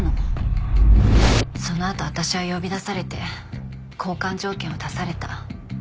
そのあと私は呼び出されて交換条件を出された。